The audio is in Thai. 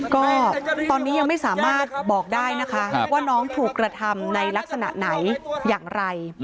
ก็ตอนนี้ยังไม่สามารถบอกได้นะคะว่าน้องถูกกระทำในลักษณะไหนอย่างไร